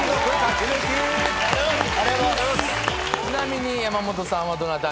ちなみに山本さんはどなたに？